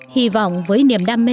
hy vọng với niềm đam mê